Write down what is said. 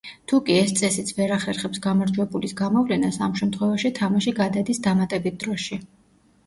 თუკი ეს წესიც ვერ ახერხებს გამარჯვებულის გამოვლენას, ამ შემთხვევაში თამაში გადადის დამატებით დროში.